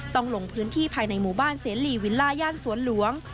ลงพื้นที่ภายในหมู่บ้านเสรีวิลล่าย่านสวนหลวง